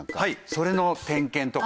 それの点検とか。